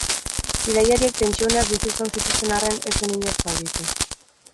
Bidaiariek tentsio uneak bizi izan zituzten arren, ez zen inor zauritu.